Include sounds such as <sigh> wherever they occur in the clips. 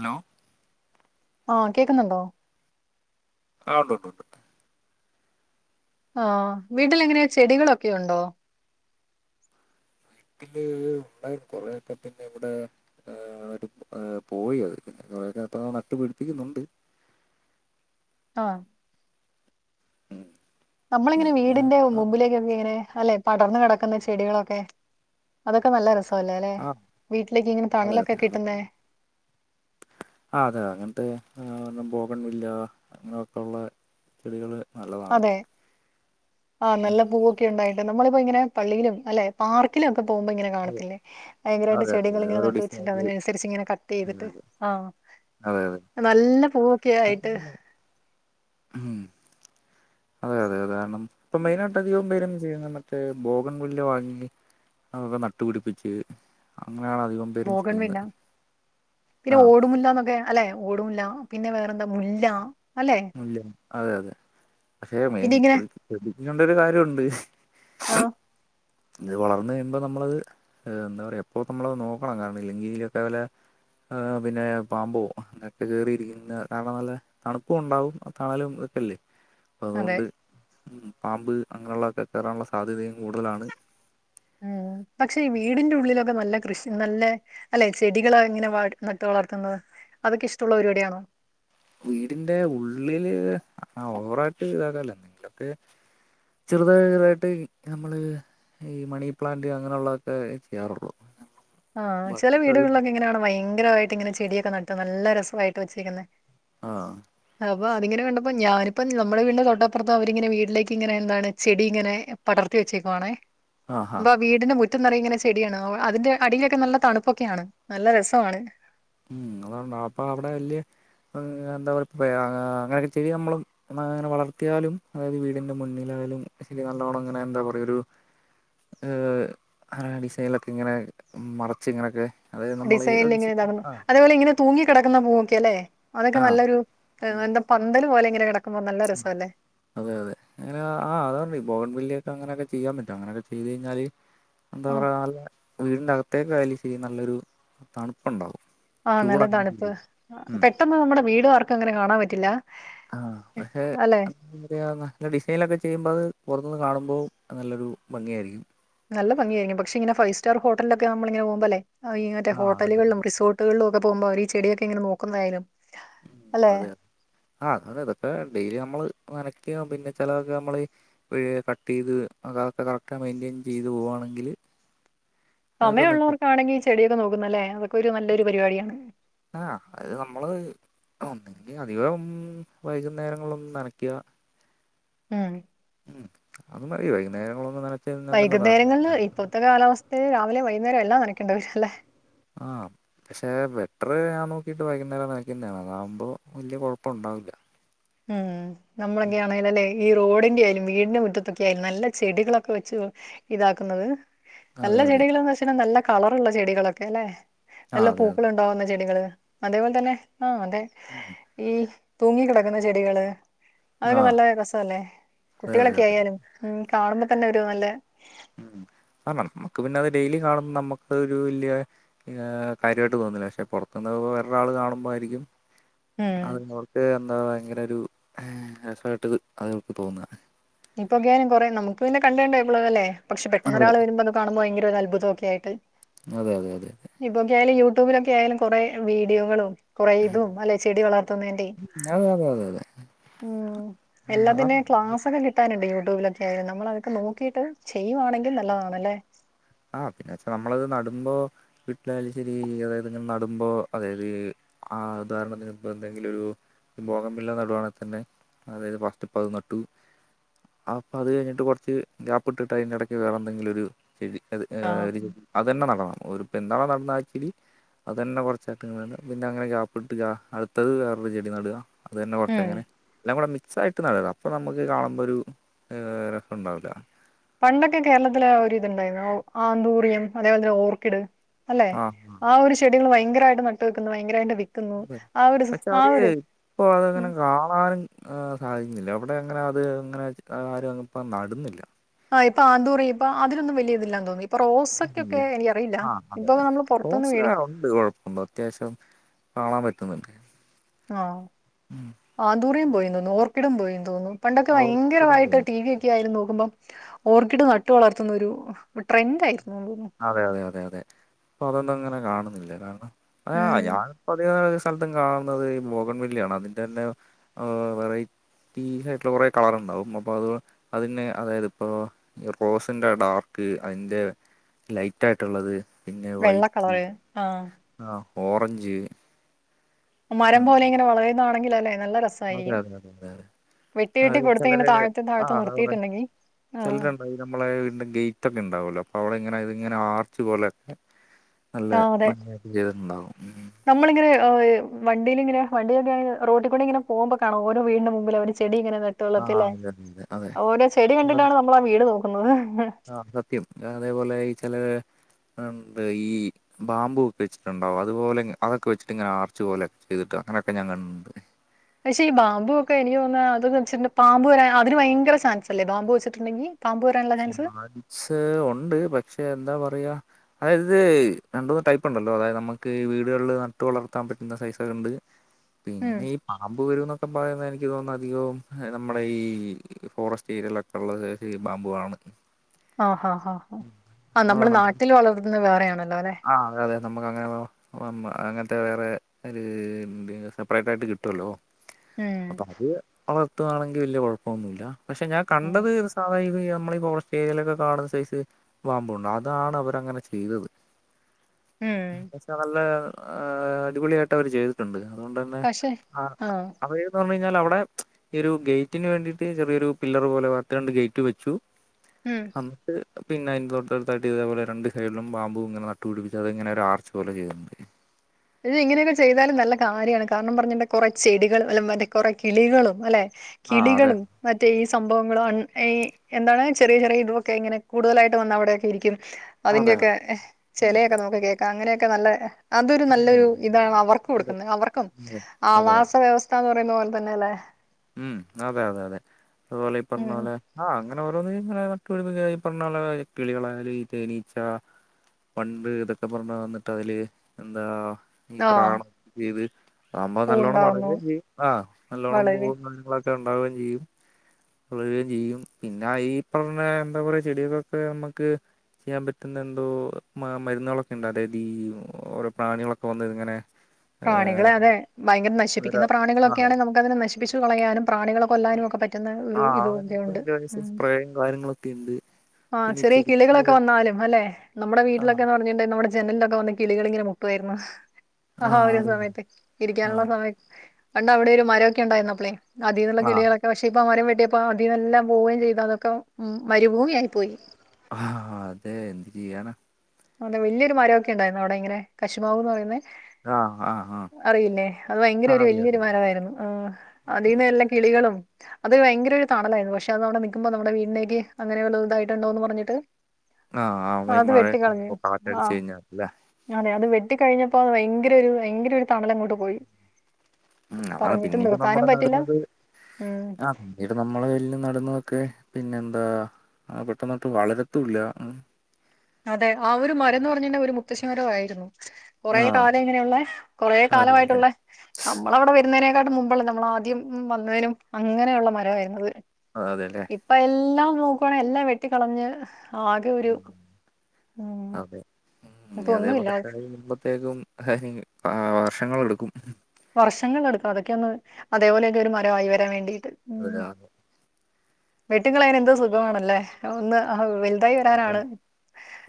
Hello. ഓഹ് കേക്കുന്നുണ്ടോ? ആഹ് ഉണ്ട്ണ്ട് ണ്ട്. ആഹ് വീട്ടിലങ്ങനെ ചെടികളൊക്കെുയുണ്ടോ? <unintelligible> കൊറേയൊക്കെ പിന്നെ ഇവിടെ <unintelligible> പോയി അതൊക്കെ. <unintelligible> പ്പ നട്ടുപിടിപ്പിക്കുന്നുണ്ട്. അഹ് ഉം നമ്മളെങ്ങനെ പിന്നെ വീടിന്റെ ആ മുമ്പിലേക്കൊക്കെങ്ങനെ? അല്ലെ പടർന്ന് കെടക്ക്ന്ന ചെടികളൊക്കെ അതൊക്കെ നല്ല രസ. പല്ലെ ലെ ആ വീട്ടിലേക്ക് ഇങ്ങനെ തണലൊക്കെ കിട്ട്ന്നേ? ആഹ് അതെ അങ്ങൻത്തെ <unintelligible> ബോകൺ വില്ല അങ്ങനെയൊക്കള്ള ചെടികള് നല്ലതാണ്. അതെ ആഹ് നല്ല പൂവൊക്കെ ഉണ്ടായിട്ട് നമ്മളിപ്പോങ്ങനെ പള്ളിയിലും അല്ലെ പാർക്കിലും പോകുമ്പോ ഇങ്ങനെ അതെ കാണത്തില്ലേ ഭയങ്കരമായിട്ട് അതെ അതെ ചെടികള് അതെ ഇങ്ങനെ ഓരോ നട്ട് വെച്ചിട്ട് ഡിസൈനില് അതിനനുസരിച്ച് ഇങ്ങെ കട്ട് ചെയ്തിട്ട് ആഹ് ആഹ് നല്ല പൂവൊക്കെ ആയിട്ട്- ഉം അതെ അതെ അത് കാരണം ഇപ്പൊ മെയിനായിട്ട് അധികം പേരും- ചെയ മറ്റേ ബോഗൻവില്ല വാങ്ങി അതൊക്കെ നട്ടുപിടിപ്പിച്ച് അങ്ങനെയാണ് അധികം പേരും ബോഗൺവില്ല ചെയ്യുന്നെ. പിന്നെ ഓടുമുല്ലാന്നൊക്കെ അല്ലെ ഓടുമുല്ല പിന്നെ വേറെന്താ മുല്ല അല്ലെ മുല്ല അതെ അതെ. പക്ഷെ മെയിൻ പിന്നെ ഇങ്ങനെ ശ്രദ്ധീക്കേണ്ടരു കാര്യണ്ട്. ആഹ് ഇത് വളർന്ന് കഴിയുമ്പോ നമ്മളത് എന്താ പറയാ എപ്പോ നമ്മളത് നോക്കണം കാരണം ഇല്ലെങ്കില് ഒക്കെ വല്ല പിന്നെ പാമ്പോ അങ്ങനെക്കെ കേറിയിരിക്കും കാരണം നല്ല തണുപ്പും ഉണ്ടാവും അതെ അതുകൊണ്ട് പാമ്പ് അങ്ങനെയുള്ളതൊക്കെ കേറാനുള്ള സാധ്യതയും കൂടുതലാണ്. ഉം പക്ഷെഈ വീടിന്റെ ഉള്ളിലൊക്കെ നല്ല കൃഷി നല്ല അല്ലെ ചെടികള്ങ്ങനെ വാടി നട്ട് വളർത്ത്ന്നത്. അതൊക്കെ ഇഷ്ടള്ള പരിപാടിയാണോ? വീടിന്റെ ഉള്ളില് ഓവറായിട്ട് ഇതാക്കാറിലാ നൊക്കെ ചെറുത്ചെറ്താറായിട്ട് നമ്മള് ഈ മണി പ്ലാന്റ് അങ്ങനെയുള്ളതൊക്കെ ചെയ്യാറുള്ളു. ആ ചെല വീടുകളിലൊക്കെ ഇങ്ങനെ കാണാം ഭയങ്കരമായിട്ട് ഇങ്ങനെ ചെടിയൊക്കെ നട്ട് നല്ല രസമായിട്ട് വെച്ചിരിക്കുന്നെ ആ അപ്പ അതിങ്ങനെ കണ്ടപ്പോ ഞാനിപ്പം നമ്മുടെ വീടിന്റെ തൊട്ടപ്പുറത്ത് അവരിങ്ങനെ വീട്ടിലേക്ക്ങ്ങെനെ എന്താണ് ചെടി ങ്ങെനെ പടർ ത്തി വെച്ചേക്കുവാണേ ആ ഹാ അപ്പൊ വീടിന്റെ മുറ്റം നിറ ഇങ്ങനെ ചെടിയാണ് അതിന്റെ അടിയിലൊക്കെ നല്ല തണുപ്പൊക്കെയാണ് നല്ല രസാണ്. ഉം അതണ്ട അപ്പൊ അവിടെ വല്യ എന്താ പറ അങ്ങനെയൊക്കെ ചെടി നമ്മള് അങ്ങനെ വളർത്തിയാലും അതായത് വീടിന്റെ മുന്നില് ചെടി നല്ലോണം ങ്ങനെ എന്താ പറയ ഒരു ഹ് ആ ഡിസൈനിലൊക്കെ ങ്ങനെ മറച്ച് ങ്ങനെയൊക്കെ അതായത് നമ്മള് ഡിസൈനിൽ ഇങ്ങനെ ആഹ് അതേപോലെ ഇങ്ങനെ തൂങ്ങി കിടക്കുന്ന പൂവൊക്കെ അല്ലെ അതൊക്കെ ആഹ് നല്ലൊരു എന്താ പന്തൽ പോലെ ഇങ്ങനെ കിടക്കുമ്പോ നല്ല രസമല്ലേ അതെ അതെ അങ്ങനെ ആ അതാണ് ഈ പോഗൻവില്ല അങ്ങനൊക്കെ ചെയ്യാൻ പറ്റും അങ്ങനൊക്കെ ചെയ്തു കഴിഞ്ഞാല് ആ എന്താ പറ നല്ല വീടിന്റെകത്ത് പ്രത്യേ കായൽലാ നല്ലൊരു തണുപ്പുണ്ടാവും. ആ ചൂട നല്ലതണ്പ്പ് ഉം പെട്ടെന്ന് നമ്മുടെ വീട് ആർക്കും അങ്ങനെ കാണാൻ പറ്റില്ല ആ പക്ഷെ അല്ലെ പറയാ നല്ല ഡിസൈനൊക്കെ ചെയ്യുമ്പോ അത് പൊറത്ത്ന്ന് കാണുമ്പോ നല്ലൊരു ഭംഗിയായിരിക്കും. നല്ല ഭംഗിയായിരികും പക്ഷെ ഇങ്ങന ഫൈവ് സ്റ്റാർ ഹോട്ടലൊക്കെമ്മളിങ്ങനെ പോകുമ്പല്ലേ ഇ മറ്റെ ആഹ് അതന്നെ ഹോട്ടലുകളിലും റിസോട്ടുകളിലും ഒക്കെ പോകുമ്പോ അവരീ ചെടിയൊക്കെ ഇങ്ങെനെ നോക്കുന്നായലും അതെ ആ അതെ അതെ അതെ ഡെയിലി നമ്മള് നനക്കോ പിന്നെ ചെലതൊക്കെ നമ്മൾ കട്ടീയ്ത് അതതൊക്കെ മെയിൻറയിൻ ചെയ്ത് പോവാണ്. ണെങ്കില് സമയമുള്ളവർക്കാണെങ്കിൽ ഈ ചെടിയൊക്കെ നോക്കുന്നല്ല അതൊക്കെ ഒരു നല്ലൊരു പരിപാടിയാണ്. ആ അത് നമ്മള് അ പിന്നെ അധികം വൈകുന്നേരങ്ങളൊന്നും നനക്കുക. ഉം ഉം അത് മതി വൈകുന്നരങ്ങളിലൊന്ന് ന വൈകുന്നേരങ്ങളില് ഇപ്പത്തെ കാലാവസ്ഥേല് രാവിലെ വൈന്നേരം എല്ലാം നനയ്ക്കേണ്ടേ വരുംല്ലേ? ആ പക്ഷെ ബെറ്റർ ഞാൻ നോക്കിട്ട് വൈകുന്നേരം നനക്കുന്നാണ് അതാകുമ്പോ വലിയ കുഴപ്പൊണ്ട ഓകെ ഉം നമ്മളൊക്കെയാണേലും അല്ലെ? ഈ റോഡിന്റെറെ ആയാലും വീടിന്റെ മുറ്റത്തൊക്കെ ആയാലും നല്ല ചെടികളൊക്കെ വെച്ച് ഇതാക്കുന്നത് നല്ല അതെ അതെ ചെടികളന്ന് വെച്ചൽ നല്ല കളറുള്ളള്ള ചെടികളൊക്കെ അല്ലെ ആ നല്ല അതെ അതെ പൂക്കള് ഉണ്ടാവുന്ന ചെടികള്. അതേപോലെ തന്നെ ആ അതെ ഈ തൂങ്ങി കിടക്കുന്ന ചെടികള് ആ അതൊക്കെ നല്ല രസവല്ലേ അതെ അതെ കുട്ടികളൊക്കെ അതെ ആയാലും കാണുമ്പോ തന്നെ ഒരു നല്ല <inaudible> കാരണം നമുക്ക് പിന്നെ അത് ഡെയിലി കാണുമ്പോ നമുക്കൊരു വലിയ കാര്യമായിട്ട് തോന്നുന്നില്ല പക്ഷെ പുറത്തുന്ന് അത് വേറൊരാൾ കാണുമ്പോ ആയിരിക്കും ഉം അവര് നോക്കിയ <unintelligible> അപ്പോ ഭയങ്കര ഒരു എഫർട്ട് അത് അവർക്ക് തോന്നുക ഇപ്പൊ <unintelligible> കുറെ നമുക്ക് പിന്നെ കണ്ടോളും അല്ല പെട്ടൊന്ന് അതെ ഒരാൾ വരുമ്പോ കാണുമ്പോ ഒരു അത്ഭുതം ഒക്കെയായിട്ട് അതെ അതെ അതെ അതെ യൂട്യൂബിലൊക്കെ ആയാലും കൊറെ വീഡിയോകളും കൊറെ ഇതും അല്ലെ ചെടി വളർത്തുന്നതിന്റെയും അതെ അതെ അതെ അതെ ഉം ഉം, അതാണ് എല്ലാത്തിനും ക്ലാസ്സൊക്കെ കിട്ടി ണ്ട് യൂട്യൂബിലൊക്കെ ആത് നമ്മളതൊക്കെ നോക്കിയിട്ട് ചെയ്യുവാണെങ്കിൽ നല്ലതാണല്ലേ ആഹ് പിന്നെ വെച്ചാ നമ്മളത് നടുമ്പോ വീട്ടിലായാലും ശെരി അതായത് ഇങ്ങനെ നടുമ്പോ അതായത് ആഹ് ഉദാഹരണത്തിന് ഇപ്പ എന്തെങ്കിലൊരു ഈ ബോഗൻ വില്ല നടുവാണെങ്കിൽ തന്നെ അതായത് ഫസ്റ്റ് ഇപ്പ അത് നട്ടു അപ്പൊ അത് കഴിഞ്ഞിട്ട് കുറച്ച് ഗ്യാപ്പ് ഇട്ടിട്ട് അതിന്റെ ഇടക്ക് വേറെ എന്തെങ്കിലും ഒരു ചെടി അത് ഏ ആ അതന്നെ നടന്നണം ഒരുപ്പ എന്താണോ നടുന്നെ ആ ചെടി അത് തന്നെ കുറച്ചായിട്ട് ഇണ്ട് പിന്നെ അങ്ങനെ ഗ്യാപ്പിട്ട് അടുത്തത് വേറൊരു ചെടി നടുക അത് തന്നെ കുറച്ച് ഉം അങ്ങനെ എല്ലാം കൂടെ മി ക്സായിട്ട് നടുക അപ്പ നമുക്ക് കാണുമ്പോ ഒരു രസം ഉണ്ടുകൂലാ പണ്ടൊക്കെ കേരളത്തിലെ ഒരിത്ണ്ടായിരുന്നു ആന്തൂറിയം അതേപോലെ തന്നെ ഓർക്കിഡ് അല്ലെ ആ ഒരു ചെടികൾ ഭയങ്കരമായിട്ട് നട്ട് വെക്കുന്ന ഭയങ്കരമായിട്ട് വി പക്ഷെ അത് ഇപ്പൊ ഉം അതങ്ങനെ കാണാറും സാധിക്കുന്നില്ല അവിടെ അങ്ങനെ അത് ഇങ്ങനെ ആരും ഇപ്പ നടുന്നില്ല ആ ഇപ്പ ആന്തൂറി ഇപ്പ അതിനൊന്നും വലിയ ഇതില്ലാന്ന് തോന്നന്ന് ഉം ആഹ് അതെ നമ്മള് പുറത്തുനിന്ന് മേടിക്കും <unintelligible> ഉണ്ട് കൊഴപ്പണ്ട് അത്യാവശ്യം കാണാൻ പറ്റുന്നുണ്ട് ആ ആന്തൂറിയും പോയി തോന്നുന്നു ഓർക്കിഡും പോയി തോന്നുന്നു പണ്ടൊക്കെ ഓർക്കിഡും ഭയങ്കരമായിട്ട് ഉണ്ട്. ടി വി ഒക്കെ ആയിരുന്നു ക്കുമ്പോ ഓർക്കിഡ് നട്ട് വളർത്തുന്ന ഒരു ട്രെൻന്റ് ആയിരുന്നു എന്ന് തോന്നുന്നു അതെ അതെ അതെ അതെ അപ്പൊ അതൊന്നും അങ്ങനെ കാണുന്നില്ല കാരണം ആ ഉം ഞാൻ ഇപ്പൊ <unintelligible> സ്ഥലത്തും കാണുന്നത് ഈ ബോകൻ വില്ലയാണ് അതിന്റെ തന്നെ വെറൈ <unintelligible> ആയിട്ടുള്ള കുറെ കളർ ഉണ്ടാവും അപ്പോ അത് അതിന് അതായത് ഇപ്പോ റോസിന്റെ ഡാർക്ക് അതിന്റെ ലൈറ്റ് ആയിട്ടുള്ളത് പിന്നെ വെള്ള വൈറ്റ് കളറ് ആ ആഹ് ഓറഞ്ച് മരം പോലെ ഇങ്ങനെ വളരുന്നതാണെങ്കിൽ അല്ലെ അതെ അതെ അതെ അതെ അതെ വെട്ടി വെട്ടി അത് കൊടുത്ത് ഇങ്ങനെ ചിലര് താഴ്ത്തെ ആ താഴ്ത്തെ അതാ നിർത്തിയിട്ടുണ്ടെങ്കി ആഹ് ചിലരുണ്ടായി നമ്മളെവീടിന്റെ ഗേറ്റ് ഒക്കെ ഇണ്ടാവല്ലോ അപ്പൊ അവിടെ ഇങ്ങനെ ഇതിങ്ങനെ ആർച്ച് പോലെയൊക്കെ നല്ല ആഹ് അതെ ഭംഗിയായിട്ട് ചെയ്തിട്ടുണ്ടാാവും നമ്മളിങ്ങനെ വണ്ടിയിലിങ്ങനെ വണ്ടി <unintelligible> റോട്ടികൂടി ഇങ്ങനെ പോകുമ്പോ കാണാം ഓരോ വീടിന്റെ മുമ്പിൽ അവര് ചെടി ഇങ്ങനെ ആ നട്ടുവളത്തില്ലേ അതെ അതെ അതെ ഓരോ ചെടി അതെ കണ്ടിട്ടാണ് നമ്മള് ആ വീട് നോക്കുന്നത് ആഹ് സത്യം അതേപോലെ ഈ ചില ര് ണ്ട് ഈ ബാംബു ഒക്കെ വെച്ചിട്ടുണ്ടാവും അതുപോലെ അതൊക്കെ വെച്ചിട്ട് ഇങ്ങനെ ആർച്ച് പോലെ ചെയ്തിട്ടാകും അങ്ങനെയൊക്കെ ഞാൻ കണ്ട്ണ്ട് പക്ഷെ ഈ ബാംബു ഒക്കെ എനിക്ക് തോന്ന് അത് വെച്ചിട്ടു പാമ്പ് വരാ അതിന് ഭയങ്കര ചാൻസല്ലേ ബാംബു വെച്ചിട്ടുണ്ടെങ്കിൽ ചാൻസ് ഉണ്ട് പക്ഷെ എന്താ പറയാ അതായത് രണ്ട് മൂന്ന് ടൈപ്പുണ്ടല്ലോ അതായത് നമുക്ക് വീടുകളിൽ നട്ട് വളർത്താൻ പറ്റുന്ന സൈസൊക്കെണ്ട് ഉം പിന്നെ ഈ പാമ്പ് വരുന്നൊ ക്കെ പറയുന്നത് എനിക്ക് തോന്നുന്നു അധികവും നമ്മുടെ ഈ ഫോറസ്റ്റ് ഏരിയയിലൊക്കെ ഉള്ള ബാംബു ആണ് ആ ഹാ ഹാ ആ നമ്മുടെ നാട്ടിൽ വളരുന്നത് വേറെയാണ് ആഹ് അതെ അതെ നമ്മുക്ക് അങ്ങനെ അങ്ങന വേറെ ഒര് സെപ്പറേറ്റ് ആയിട്ട് കിട്ടുവല്ലോ ഉം അപ്പൊ അത് വള ത്തുവാണെങ്കി വല്ല്യ കൊ ഴപ്പമൊന്നുല്ല. പക്ഷെ ഞാൻ ഉം കണ്ടത് സധാ നമ്മള ഈ ഫോറസ്റ്റ് ഏരിയിലൊക്കെ കാണുന്ന സൈസ് പാമ്പോണ്ട് അതാണ് അവര് അങ്ങനെ ചെയ്തത്. ഉം. പശേ നല്ല അടിപൊളിയായിട്ട് അവര് ചെയ്തിട്ടുണ്ട്. അതുകൊണ്ട് തന്നെ പക്ഷെ ആഹ് അവരുന്ന് പറഞ് കഴിഞ്ഞാൽ അവിടെ ഈ ഒരു ഗേറ്റിന് വേണ്ടീട്ട് ചെറിയൊരു പില്ലർ പോലെ വാർത്ത് രണ്ട് ഗേറ്റ് വെച്ചു ഉം എന്നിട്ട് പിന്നെ അതിന്റെ തൊട്ടടുത്തായിട്ട് ഇതേപോലെ രണ്ട് സൈഡിലും ബാംബൂ ഇങ്ങനെ ന ട്ടു പിടിപ്പിച്ച് അത് ഇങ്ങനെ ഒരു ആർച്ച് പോലെ ചെയ്യേം ചെയ്തു ഇത് ഇങ്ങനെയൊക്കെ ചെയ്താലും നല്ല കാര്യമാണ് കാരണം പറഞ്ഞണ്ട കുറെ ചെടികളും അല്ല മറ്റേ കുറെ കിളികളും അല്ലെ ആ അതെ കിളികളും മറ്റേ ഈ സംഭവങ്ങളും ഈ എന്താണ് ചെറിയ ചെറിയ ഇതുവൊക്കെ ഇങ്ങനെ കൂടുതലായിട്ട് വന്ന് അവിടെയൊക്കെ ഇരിക്കും അതെ അതിന്റെയൊക്കെ ചിലയൊക്കെ നമുക്ക് കേൾക്കാം അങ്ങനെയൊക്കെ നല്ല അതൊരു അതെ നല്ലൊരു ഇതാണ് അവർക്ക് കൊടുക്കുന്നത് അവർക്കും അതെ അതെ ആവാസ വ്യവസ്ഥാന്ന് പറയുന്ന പോലെ തന്നെ അല്ലെ ഉം അതെ അതെ അതെ അതുപോലെ ഇ പറഞ്ഞ ഉം പോലെ ആ അങ്ങ ഓരോന്ന് ഇങ്ങനെ നാട്ടുപിടിപ്പിക്കാ ഈ പറഞ്ഞ പോലെ കിളികളായലും ഈ തേനീച്ച പണ്ട് ഇതൊക്കെ പറന്നു വന്നിട്ട് അതില് എന്താ ഈ ആഹ് പ്രാണം ചെയ്ത് അതാകുമ്പോ നല്ലവോണം പൂവുണ്ടാവുന്നു വളരുകേം ചെയ്യും ആ നല്ലോണ്ണം പോ വളരെ ഒക്കെ ഉണ്ടാവുകയും ചെയ്യും ളുകയും ചെയ്യും പിന്നെ ഈ പറഞ്ഞ എന്താ പറയാ ചെടികളൊക്കെ നമ്മുക്ക് ചെയ്യാൻ പറ്റുന്ന എന്തോ മരുന്നുകളൊക്കെ ഉണ്ട് അതായത് ഈ ഓരോ പ്രാണികളൊക്കെ വന്ന് ഇങ്ങനെ പ്രാണികൾ അതെ ഭയര ഓരോ നശിപ്പിക്കുന്ന ആ പ്രണികളൊക്കെയാണെങ്കി നമുക്ക് അതിനെ നശി പ്പിച്ച് കളയാനും പ്രാണികളെ കൊല്ലാനുമക്കെ പറ്റ പറ്റുന്ന ഒരു ആ അങ്ങനെ ഇതൊക്കെ ഉണ്ട് വലിയ വലിയ ഉം സ്പ്രേയും കാര്യങ്ങളൊക്കെ ഉണ്ട് ആഹ് പിന്നെ ഈ ചെറിയ ചെടിക്ക് കിളികളൊക്കെ വന്നാലും അല്ലെ നമ്മുടെ ആ വീട്ടിലൊക്കെന്ന് പറഞ്ഞിട്ടുണ്ടെ നമ്മുടെ ജനലിലൊക്കെ വന്ന് കിളികളിങ്ങനെ മുട്ടുവായിരുന്നു ആ ഒരു സമയത്ത് ആ ഇരിക്കാനുള്ള സമയ പണ്ട് അവിടെ ഒരു മരൊക്കെ ഉണ്ടായിരുന്നുപ്പളെ അതീന്നുള്ള ആ കിളികളക്കെ പക്ഷെ ഇപ്പോ ആ മരം വെ ട്ടിയപ്പ അതിന്നെല്ലാം പോവുകയും ചെയ്തു അതൊക്കെ ഉ മരുഭൂമിയ ആയി പോയി ആ അതെ എന്ത് ചെയ്യാന അതെ വലിയൊരു മരമൊക്കെ ഉണ്ടായിരുന്നു അവിടെങ്ങനെ കശുമാവ് എന്ന് പറയുന്നത് ആ ആ. ആ അറിയില്ലേ അത് ഭയങ്കര ആ ഒരു അറിയാം വലിയൊരു അറിയാം മരവായിരുന്നു ആ അതിന്ന് എല്ലാം കിളികളും. അത് ഭയങ്കര ഒരു തണലായിരുന്നു പക്ഷെ അത് അവിടെ നിക്കുമ്പോ നമ്മുടെ വീടിലേക്ക് അങ്ങനെ ഒരു ഇതായിട്ടുണ്ടാവും എന്ന് പറഞ്ഞിട്ട്- ആ ആ വൈ അത് മഴ ആഹ് ഞാന് - വെട്ടി കഴിഞ്ഞപ്പോ ഭയങ്കര ഒരു ഭയങ്കര ഒരു തണല് എങ്ങോട്ടോ പോയി ഉം അതാണ് പറഞ്ഞിട്ട് പിന്നീട്ട് നമ്മൾ നിർത്താനും പറ്റില്ല നടുന്നത് ഉം ആ പിന്നീട്ട് നമ്മളെ വല്ലം നടുന്ന ഒക്കെ പിന്നെ എന്താ പെട്ടെന്ന് ഒട്ട് വളരത്തുല്ല അതെ ആ ഒരു മരംയെന്ന് പറഞ്ഞ് കഴിഞ്ഞാൽ തന്നെ ഒരു മുത്തശ്ശിമരം ആയിരുന്നു കുറ ആ കാലം ഇങ്ങനെയുള്ള കൊറേ അതെ അതെ കാലമായിട്ടുള്ള നമ്മൾ അവിടെ വരുന്നേന് മുമ്പല്ലേ നമ്മൾ ആദ്യം വന്നതിനും അങ്ങനെയുള്ള മരമായിരുന്നത് അതെല്ലേ ഇപ്പൊ എല്ലാം നോക്കുവാണെ എല്ലാം വെട്ടിക്കളഞ്ഞ് ആകെ ഒരു ഉം അതെ ഉം ഇപ്പൊ അതെ ഒന്നുമില്ല പോലെത്തന്നെ <unintelligible> മുമ്പത്തേക്കും കാര്യങ്ങൾ ആ വർഷങ്ങൾ എടുക്കും വർഷങ്ങളെടുക്കും അതൊക്കെ ഒന്ന് അതേപോലെയൊക്കെ ഒരു മരമായി വരാൻ വേണ്ടി <unintelligible> വെട്ടി കളയാൻ എന്ത് സുഖമാണ്ല്ലേ ഒന്ന് വെ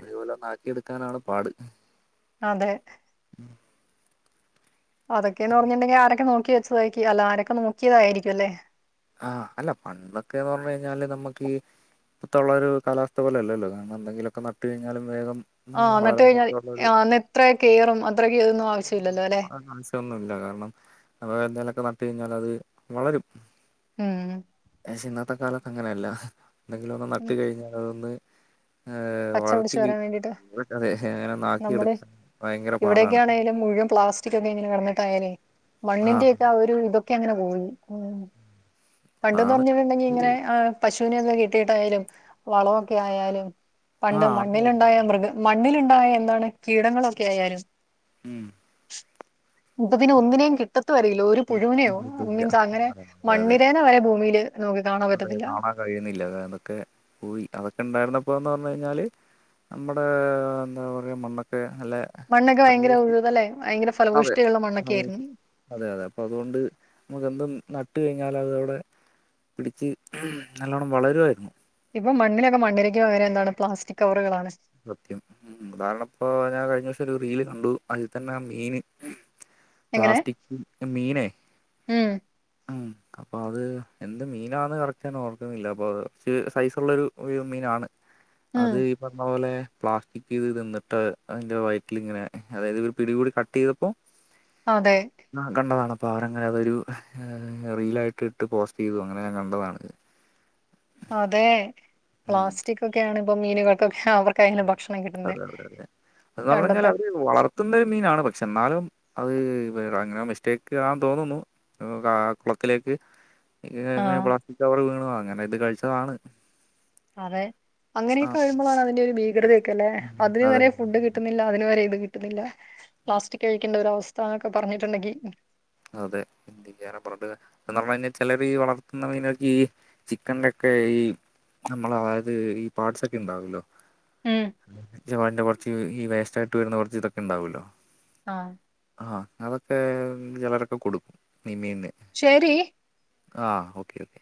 അതുപോലൊന്ന് ആക്കി എടുക്കാനാണ് പാട്. അതെ അതൊക്കെന്ന് പറഞ്ഞിട്ടുണ്ടെങ്കിൽ ആരൊക്കെ നോക്കി വെച്ചതായിരിക്കും അല്ല ആരൊക്കെ നോക്കിയതായിരിക്കും അല്ലേ? ആാ അല്ല പണ്ടൊക്കെന്ന് പറഞ്ഞ് കഴിഞ്ഞാല് നമ്മക്ക് ഈ ത്താ ഒള്ള ഒര് കാലാവസ്ഥ ഇപ്പോളത്തൊരു കാലാവസ്ഥ പോലെല്ലോ കാരണം എന്തെങ്കിലേക്കെ നട്ട് കഴിഞ്ഞാല് വേഗം ആാഎന്നിട്ട് കഴിഞ്ഞാ വളരാനൊക്കെ ഉള്ളൊരു അന്ന് എത്ര കെയറും അത്രക്കതൊന്നും ആവിശ്യ <unintelligible> ഒന്നും ഇല്ല കാരണം ആ എന്തേലൊക്കെ നട്ട് കഴിഞ്ഞാ അത് വളരും ഉം പശെ ഇന്നത്തെ കാലത്ത് അങ്ങനെയല്ല എന്തെങ്കിലും ഒന്ന് നട്ട് കഴിഞ്ഞാ അതൊന്ന് പച്ചാ പിടിച്ച് വളർത്തി വെരാൻ വേണ്ടിട്ട് അതെ അങ്ങനെ നമ്മടെ നാക്കിയെടുക്കാൻ ഭയങ്കര ഇവടെയൊക്കൊ പാടാണ് ആണെലും മുഴുവൻ പ്ലാസ് ക്കെ ഇങ്ങനെ കെടന്നിട്ട് അയ്നെ മണ്ണിൻ്റെ ആഹ് ഒക്കെ ആ ഒര് ഇതൊക്കെ അങ്ങനെ പോയി ഉം പണ്ടെന്ന് ആണ് പറഞ്ഞിട്ടുണ്ടെങ്കി ഇങ്ങനെ ആാ പശ് അ ന്യൊക്കെ കെട്ടിയിട്ടായാലും വളൊ ക്കെ ആയാലും പണ്ട് ആഹ് അതെ മണ്ണിലോണ്ടായ മൃഗ മണ്ണില് ഇണ്ടായ എന്താണ് കീടങ്ങളൊക്കെ ആയാലും ഉം ഇപ്പം പിന്നെ ഒന്നിനേയും കിട്ടാ റില്ലോ ഒര് പുഴുവിനെയോ ഇല്ല മീൻസ് അങ്ങനെ അതെ അതെ മണ്ണിരേനെ വെരെ ഭൂമില് അതെ കാണാൻ കഴിയുന്നില്ല അതൊക്കെ പോയി അതാ ഒക്ക ഇണ്ടായിരുന്നപ്പോ എന്ന് പറഞ്ഞ് കഴിഞ്ഞാല് നമ്മടെ എന്താ പറയാ മണ്ണൊക്കെ നല്ല മണ്ണൊക്കെ ബയങ്കര അതെ ഉഴ്തലാര്ന്ന് ബയങ്കര ഫ് അതെ <unintelligible> അതെ അതെ അപ്പം അത് കൊണ്ട് <unintelligible> എന്തും നട്ട് കഴിഞ്ഞാല് അത് അവടെ പിടിച്ച് നല്ലവോണ്ണം വളരുവാര്ന്ന് ഇപ്പം മണ്ണിനൊക്കെ മണിരക്ക് പകരം എന്താണ് പ്ലാറ്റിക് കവറ്കളാണ് സത്യം <unintelligible> കാരണം ഇപ്പൊ ഞാൻ കഴിഞ്ഞ ദേസം ഒര് റീല് കണ്ടു അതി തന്നെ മീന് എങ്ങനെ പ്ലാസ്റ്റിക് മീനേ ഉം അപ്പോ അത് എന്ത് മീനാെന്ന് കറകറ്റ് ഓർക്ക്ന്നില്ല അപ്പോൾ അത് കൊറച്ച് സൈസ് ഓള്ളരു മീനാണ് ഉം അത് ഇപ്പം പോലെ പ്ലാസ്റ്റിക്ക് ഇത് തിന്നിട്ട് അയിൻ്റെ വയറ്റില്ങ്ങനെ അതായത് ഇത് പിടികൂടി കട്ട് ചെയ്തപ്പോ അതെ ആാ കണ്ടാതാണ് അപ്പം അവര് അങ്ങനെ അതൊരു റീലായിട്ട് ഇട്ട് പോസ്റ്റ് ചെയ്തു അങ്ങനെ ഞാൻ കണ്ടതാണ് അതെ ഉം പ്ലാസ്റ്റിക്കെയാണ് ഇപ്പം മീന്ക്കൊക്കെ അവർക്ക് അയാലും ബാ അതെ അതെ അതെ <unintelligible> അതെ അതെ അതെ എന്ന് പറഞ്ഞാല് അവര് വളത്ത്ന്നാ ഒര് മീനാണ് പക്ഷേ എന്നാലും അത് <unintelligible> അങ്ങനെ മിസ്റ്റേക്ക് ആന്ന് തോന്നുന്നു ആ കുളക്കിലേക്ക് <unintelligible> ആ എങ്ങനെയെ പ്ലാസ്റ്റിക് കവറ് വീണാതാ അങ്ങനെ ഇത് കഴിച്ചതാണ് അതെ ആ അങ്ങനെയൊക്കെ വെര്മ്പാളാണ് അതിന്റെ ഒര് ഭീകരതയൊക്കെ അല്ലെ അതിന് അതെ വെരെ ഫുഡ് കിട്ടുന്നില്ല അതിന് വെരെ ഇത് കിട്ടുന്നില്ലാ പ്ലാസ്റ്റിക് കഴിക്കേണ്ട ഒര് അവസ്ഥൊ എന്നോക്കെ പറഞ്ഞിട്ട് ഒണ്ടാങ്കി അതെ എന്തിനെറേ <unintelligible> ചെലര് വളർത്ത്ന്നാ മീനക്ക് ഈ ചിക്കൻ <unintelligible> ഒക്കെ ഈ നമ്മള് അതായത് ഈ പാട്സൊക്കെ ഇണ്ടാവുല്ലോ ഉം <unintelligible> കൊറച്ച് ഈ വേസ്റ്റായിട്ട് വെര്ന്നാ കൊറച്ച് ഇതൊക്കെ ഇണ്ടാവുല്ലോ ആാ അതൊക്കെ ചെലരൊക്കെ കൊടുക്കും മീ മീൻ ശരി ആാ ഓക്കെ ഓക്കേ